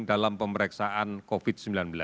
dalam pemeriksaan covid sembilan belas